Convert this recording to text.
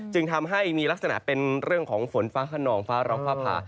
จึงทำให้มีลักษณะเป็นเรื่องของฝนฟ้าขนองฟ้าร้องฟ้าผ่า